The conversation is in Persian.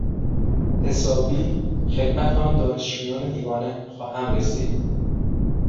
حسابی خدمت آن دانشجویان دیوانه خواهم رسید!